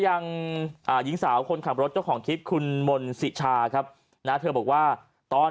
อย่างหญิงสาวคนขับรถเจ้าของคลิปคุณมนต์สิชาครับนะเธอบอกว่าตอน